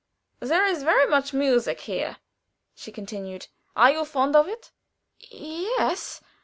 "There is very much music here," she continued. "Are you fond of it?" "Ye es.